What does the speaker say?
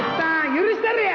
許したれや！